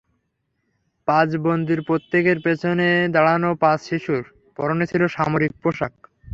পাঁচ বন্দীর প্রত্যেকের পেছনে দাঁড়ানো পাঁচ শিশুর পরনে ছিল সামরিক পোশাক।